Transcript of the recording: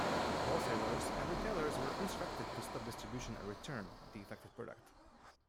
Wholesalers and retailers were instructed to stop distribution and return the affected product.